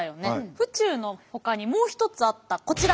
府中のほかにもう一つあったこちら。